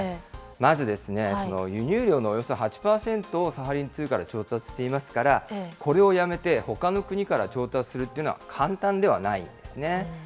まずですね、輸入量のおよそ８％をサハリン２から調達していますから、これをやめて、ほかの国から調達するというのは簡単ではないんですね。